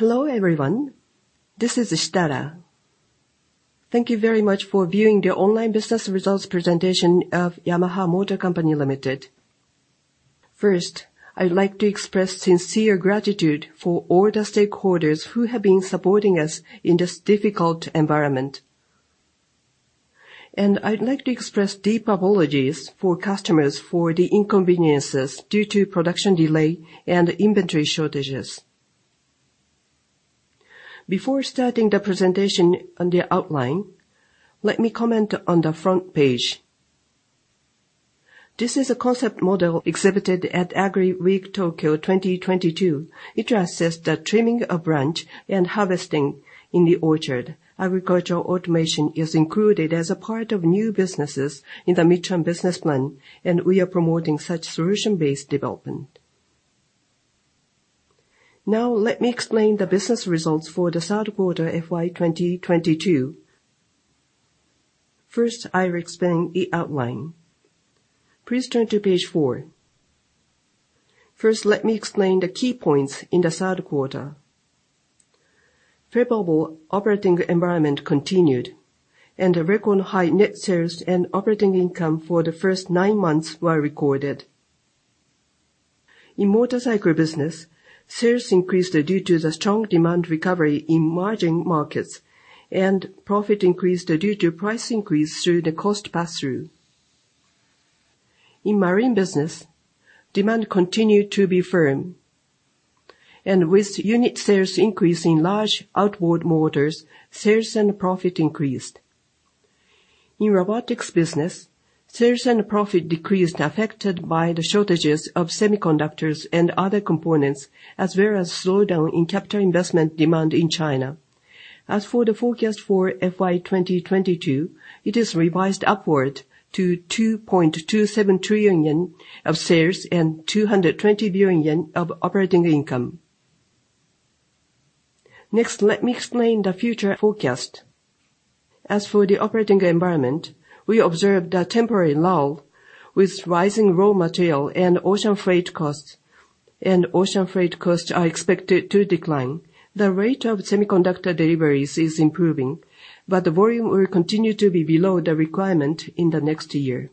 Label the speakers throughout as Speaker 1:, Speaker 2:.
Speaker 1: Hello, everyone. This is Shitara. Thank you very much for viewing the online business results presentation of Yamaha Motor Company Limited. First, I'd like to express sincere gratitude for all the stakeholders who have been supporting us in this difficult environment, and I'd like to express deep apologies for customers for the inconveniences due to production delay and inventory shortages. Before starting the presentation and the outline, let me comment on the front page. This is a concept model exhibited at Agri Week Tokyo 2022. It assists the trimming of branch and harvesting in the orchard. Agricultural automation is included as a part of new businesses in the midterm business plan, and we are promoting such solution-based development. Now let me explain the business results for the third quarter FY 2022. First, I will explain the outline. Please turn to page four. First, let me explain the key points in the third quarter. Favorable operating environment continued and a record high net sales and operating income for the first nine months were recorded. In motorcycle business, sales increased due to the strong demand recovery in emerging markets and profit increased due to price increase through the cost pass-through. In marine business, demand continued to be firm and with unit sales increase in large outboard motors, sales and profit increased. In robotics business, sales and profit decreased, affected by the shortages of semiconductors and other components as well as slowdown in capital investment demand in China. As for the forecast for FY 2022, it is revised upward to 2.27 trillion yen of sales and 220 billion yen of operating income. Next, let me explain the future forecast. As for the operating environment, we observed a temporary lull with rising raw material and ocean freight costs. Ocean freight costs are expected to decline. The rate of semiconductor deliveries is improving, but the volume will continue to be below the requirement in the next year.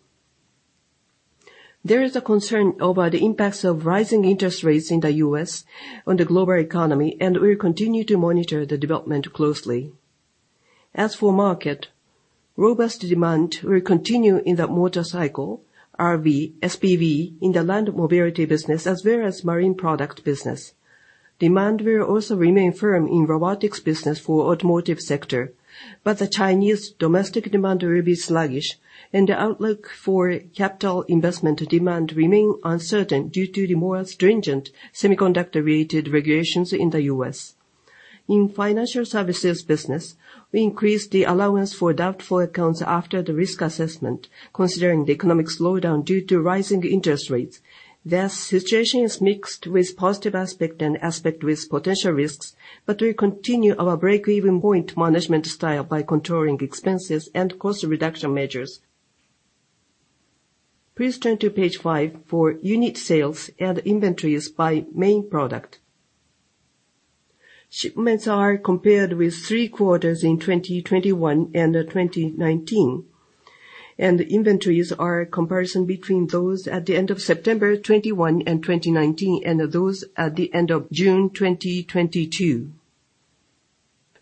Speaker 1: There is a concern over the impacts of rising interest rates in the U.S. on the global economy and we'll continue to monitor the development closely. As for market, robust demand will continue in the motorcycle, RV, SPV in the Land Mobility business as well as Marine Products business. Demand will also remain firm in Robotics business for automotive sector, but the Chinese domestic demand will be sluggish and the outlook for capital investment demand remain uncertain due to the more stringent semiconductor-related regulations in the U.S. In Financial Services business, we increased the allowance for doubtful accounts after the risk assessment, considering the economic slowdown due to rising interest rates. The situation is mixed with positive aspect and aspect with potential risks, but we continue our break-even point management style by controlling expenses and cost reduction measures. Please turn to page five for unit sales and inventories by main product. Shipments are compared with three quarters in 2021 and 2019. Inventories are comparison between those at the end of September 2021 and 2019 and those at the end of June 2022.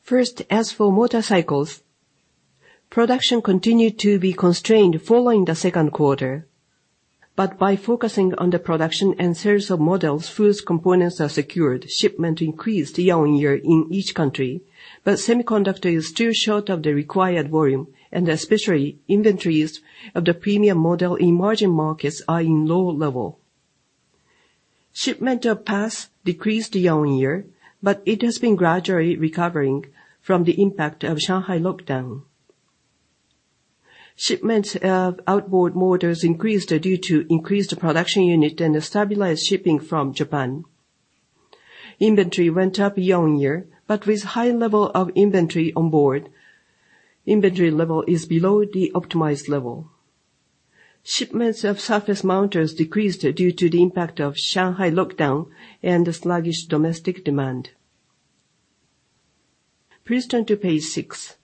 Speaker 1: First, as for motorcycles, production continued to be constrained following the second quarter, but by focusing on the production and sales of models whose components are secured, shipment increased year-on-year in each country. Semiconductor is still short of the required volume and especially inventories of the premium model in emerging markets are in low level. Shipment of PAS decreased year-on-year, but it has been gradually recovering from the impact of Shanghai lockdown. Shipments of outboard motors increased due to increased production unit and a stabilized shipping from Japan. Inventory went up year-on-year, but with high level of inventory on board, inventory level is below the optimized level. Shipments of surface mounters decreased due to the impact of Shanghai lockdown and the sluggish domestic demand. Please turn to page six.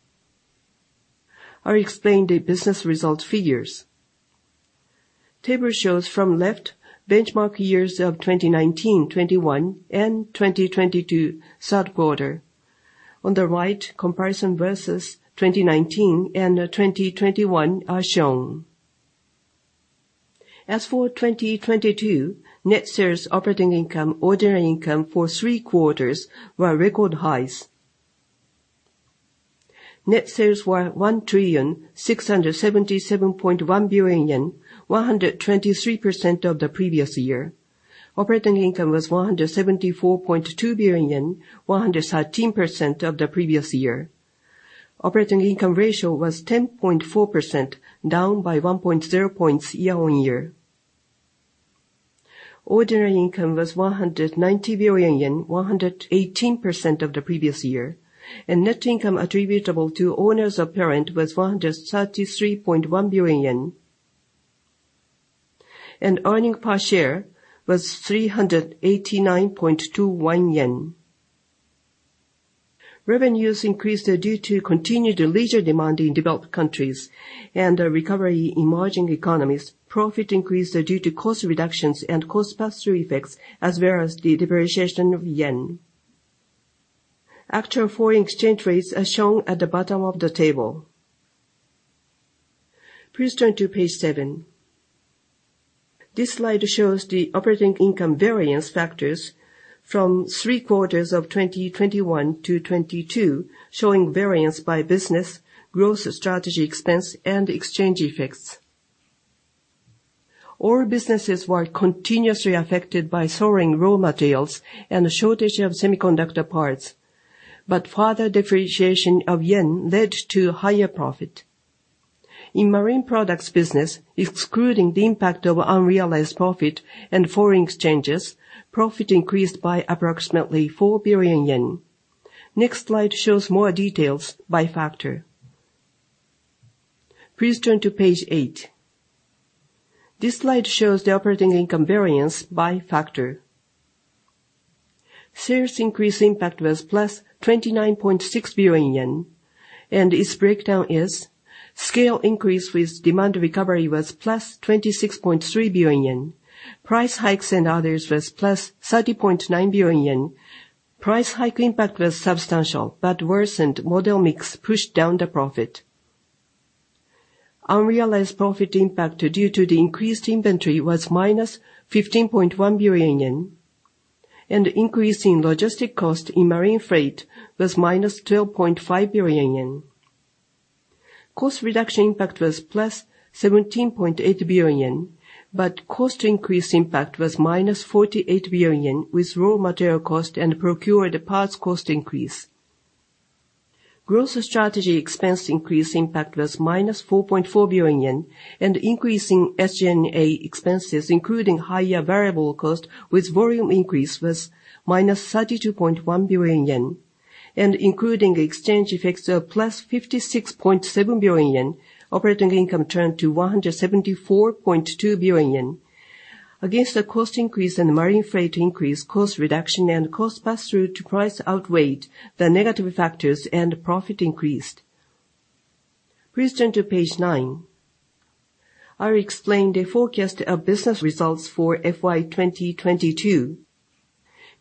Speaker 1: I explain the business results figures. Table shows from left benchmark years of 2019, 2021, and 2022 third quarter. On the right, comparison versus 2019 and 2021 are shown. As for 2022, net sales operating income, ordinary income for three quarters were record highs. Net sales were 1,777.1 billion yen, 123% of the previous year. Operating income was 174.2 billion yen, 113% of the previous year. Operating income ratio was 10.4%, down by 1.0 points year-on-year. Ordinary income was 190 billion yen, 118% of the previous year, and net income attributable to owners of parent was 133.1 billion yen. Earnings per share was 389.2 yen. Revenues increased due to continued leisure demand in developed countries and a recovery in emerging economies. Profit increased due to cost reductions and cost pass-through effects, as well as the depreciation of yen. Actual foreign exchange rates are shown at the bottom of the table. Please turn to page seven. This slide shows the operating income variance factors from three quarters of 2021-2022, showing variance by business, growth strategy expense, and exchange effects. All businesses were continuously affected by soaring raw materials and a shortage of semiconductor parts. Further depreciation of yen led to higher profit. In Marine Products business, excluding the impact of unrealized profit and foreign exchanges, profit increased by approximately 4 billion yen. Next slide shows more details by factor. Please turn to page eight. This slide shows the operating income variance by factor. Sales increase impact was +29.6 billion yen, and its breakdown is scale increase with demand recovery was +26.3 billion yen. Price hikes and others was +30.9 billion yen. Price hike impact was substantial, but worsened model mix pushed down the profit. Unrealized profit impact due to the increased inventory was -15.1 billion yen, and increase in logistics cost in marine freight was -12.5 billion yen. Cost reduction impact was +17.8 billion yen, but cost increase impact was -48 billion yen, with raw material cost and procured parts cost increase. Growth strategy expense increase impact was -4.4 billion yen, and increase in SG&A expenses, including higher variable cost with volume increase, was -32.1 billion yen. Including exchange effects of +56.7 billion yen, operating income turned to 174.2 billion yen. Against the cost increase and marine freight increase, cost reduction and cost pass-through to price outweighed the negative factors and profit increased. Please turn to page nine. I explain the forecast of business results for FY 2022.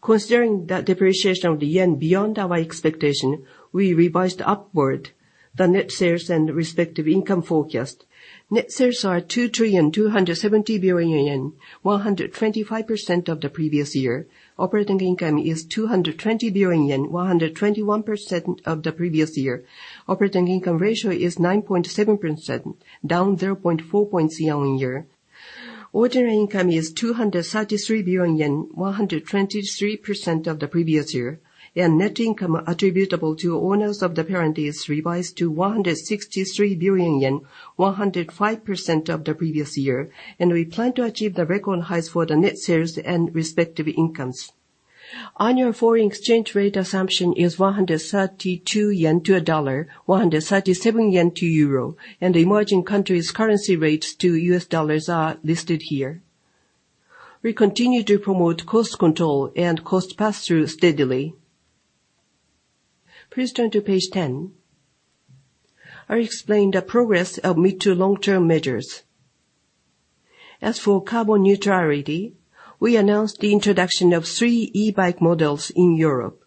Speaker 1: Considering the depreciation of the yen beyond our expectation, we revised upward the net sales and respective income forecast. Net sales are 2,270 billion yen, 125% of the previous year. Operating income is 220 billion yen, 121% of the previous year. Operating income ratio is 9.7%, down 0.4 points year-on-year. Ordinary income is 233 billion yen, 123% of the previous year. Net income attributable to owners of the parent is revised to 163 billion yen, 105% of the previous year. We plan to achieve the record highs for the net sales and respective incomes. Annual foreign exchange rate assumption is 132 yen to a dollar, 137 yen to euro, and emerging countries' currency rates to U.S. dollars are listed here. We continue to promote cost control and cost pass-through steadily. Please turn to Page 10. I explain the progress of mid to long-term measures. As for carbon neutrality, we announced the introduction of three e-bike models in Europe.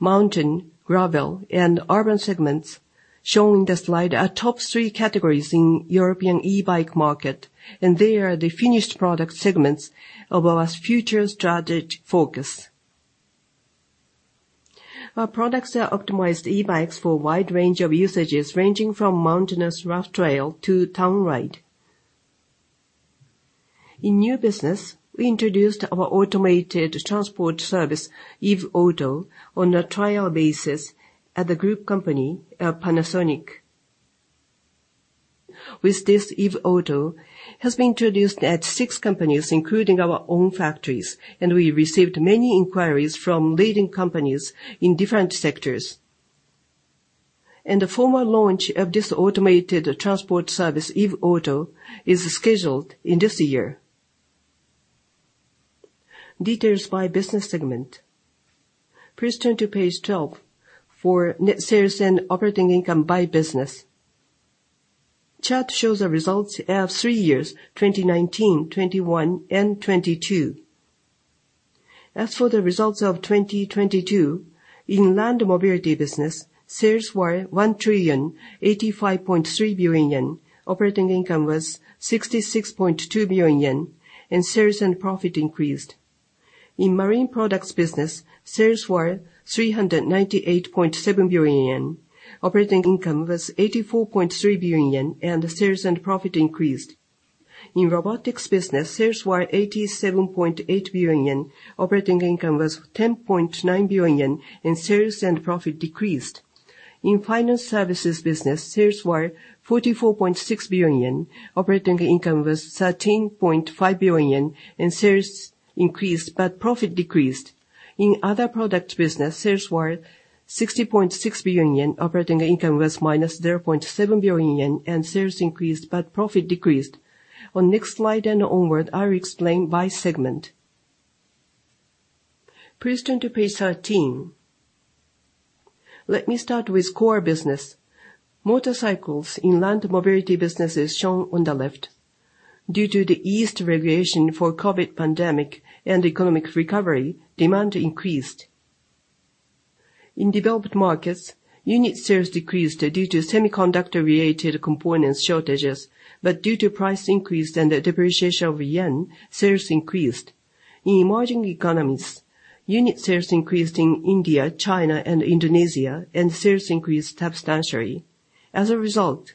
Speaker 1: Mountain, gravel, and urban segments shown in the slide are top three categories in European e-bike market, and they are the finished product segments of our future strategic focus. Our products are optimized e-bikes for a wide range of usages, ranging from mountainous rough trail to town ride. In new business, we introduced our automated transport service, Eve Auto, on a trial basis at the group company of Panasonic. With this, eve auto has been introduced at six companies, including our own factories, and we received many inquiries from leading companies in different sectors. The formal launch of this automated transport service, eve auto, is scheduled in this year. Details by business segment. Please turn to Page 12 for net sales and operating income by business. Chart shows the results of three years, 2019, 2021, and 2022. As for the results of 2022, in Land Mobility business, sales were 1,085.3 billion yen, operating income was 66.2 billion yen, and sales and profit increased. In Marine Products business, sales were 398.7 billion yen, operating income was 84.3 billion yen, and sales and profit increased. In Robotics business, sales were 87.8 billion yen, operating income was 10.9 billion yen, and sales and profit decreased. In Financial Services business, sales were 44.6 billion yen, operating income was JPY 13.5 billion, and sales increased, but profit decreased. In other product business, sales were 60.6 billion yen, operating income was JPY -0.7 billion, and sales increased, but profit decreased. On next slide and onward, I explain by segment. Please turn to Page 13. Let me start with core business. Motorcycles and Land Mobility business is shown on the left. Due to the eased regulation for COVID pandemic and economic recovery, demand increased. In developed markets, unit sales decreased due to semiconductor related components shortages. Due to price increase and the depreciation of yen, sales increased. In emerging economies, unit sales increased in India, China, and Indonesia, and sales increased substantially. As a result,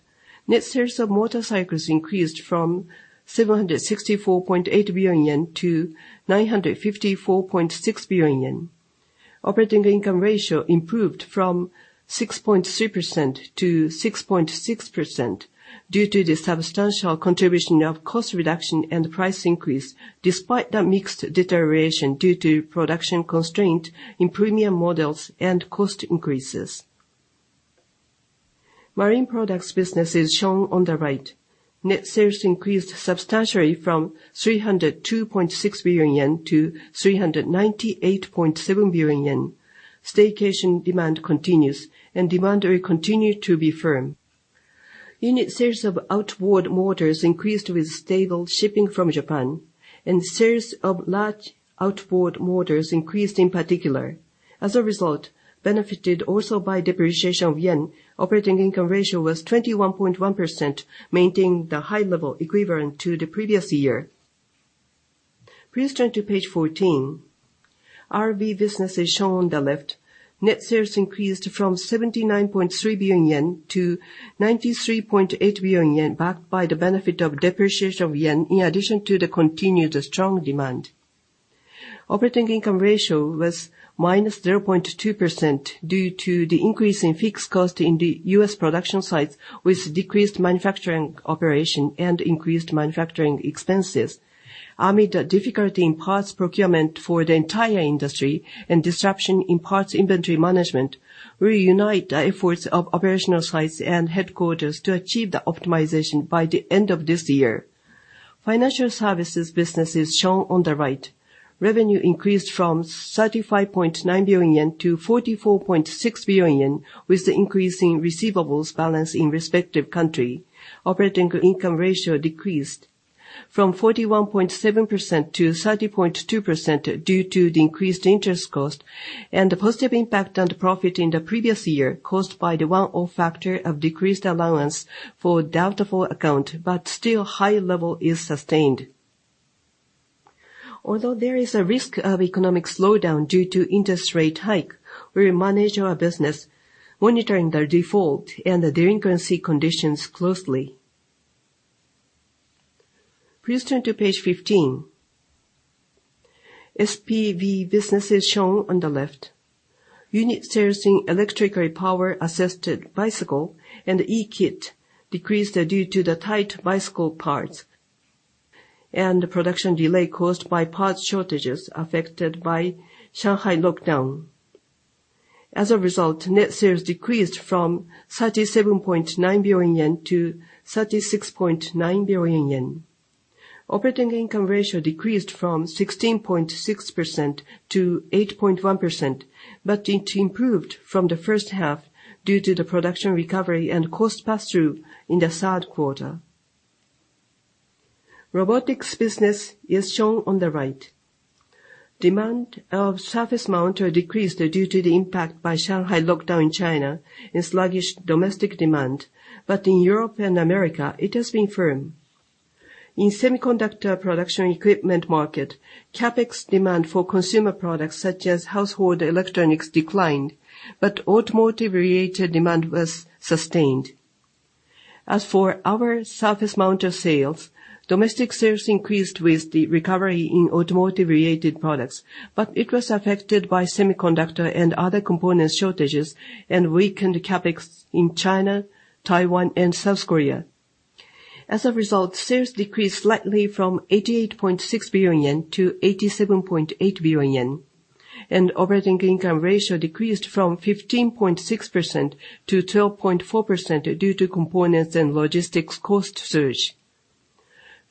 Speaker 1: net sales of motorcycles increased from 764.8 billion-954.6 billion yen. Operating income ratio improved from 6.3%-6.6% due to the substantial contribution of cost reduction and price increase, despite the mixed deterioration due to production constraint in premium models and cost increases. Marine Products business is shown on the right. Net sales increased substantially from 302.6 billion-398.7 billion yen. Staycation demand continues and demand will continue to be firm. Unit sales of outboard motors increased with stable shipping from Japan, and sales of large outboard motors increased in particular. As a result, benefited also by depreciation of yen, operating income ratio was 21.1%, maintaining the high level equivalent to the previous year. Please turn to Page 14. RV business is shown on the left. Net sales increased from 79.3 billion-93.8 billion yen, backed by the benefit of depreciation of yen in addition to the continued strong demand. Operating income ratio was -0.2% due to the increase in fixed cost in the U.S. production sites, with decreased manufacturing operation and increased manufacturing expenses. Amid the difficulty in parts procurement for the entire industry and disruption in parts inventory management, we unite the efforts of operational sites and headquarters to achieve the optimization by the end of this year. Financial services business is shown on the right. Revenue increased from 35.9 billion-44.6 billion yen, with the increase in receivables balance in respective countries. Operating income ratio decreased from 41.7%-30.2% due to the increased interest cost and the positive impact on the profit in the previous year, caused by the one-off factor of decreased allowance for doubtful accounts, but still high level is sustained. Although there is a risk of economic slowdown due to interest rate hike, we will manage our business monitoring the default and the delinquency conditions closely. Please turn to Page 15. SPV business is shown on the left. Unit sales in electrically power-assisted bicycles and e-Kit decreased due to the tight bicycle parts and the production delay caused by parts shortages affected by Shanghai lockdown. As a result, net sales decreased from 37.9 billion-36.9 billion yen. Operating income ratio decreased from 16.6%-8.1%, but it improved from the first half due to the production recovery and cost pass-through in the third quarter. Robotics business is shown on the right. Demand of Surface Mounter decreased due to the impact by Shanghai lockdown in China and sluggish domestic demand. In Europe and America, it has been firm. In semiconductor production equipment market, CapEx demand for consumer products such as household electronics declined, but automotive-related demand was sustained. As for our Surface Mounter sales, domestic sales increased with the recovery in automotive-related products, but it was affected by semiconductor and other component shortages, and weakened CapEx in China, Taiwan, and South Korea. As a result, sales decreased slightly from 88.6 billion-87.8 billion yen. Operating income ratio decreased from 15.6%-12.4% due to components and logistics cost surge.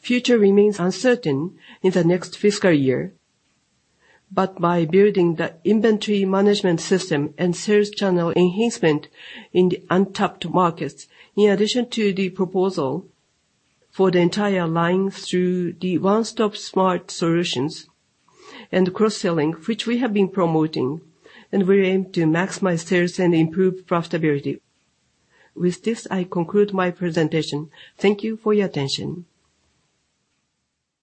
Speaker 1: Future remains uncertain in the next fiscal year. By building the inventory management system and sales channel enhancement in the untapped markets, in addition to the proposal for the entire lines through the one-stop smart solutions and cross-selling, which we have been promoting, we aim to maximize sales and improve profitability. With this, I conclude my presentation. Thank you for your attention.